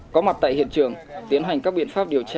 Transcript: có mặt tại hiện trường tiến hành các biện pháp điều tra